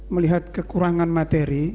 melihat kekurangan materi